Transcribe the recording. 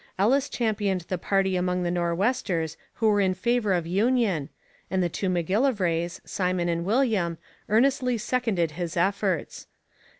Ellice championed the party among the Nor'westers who were in favour of union, and the two M'Gillivrays, Simon and William, earnestly seconded his efforts.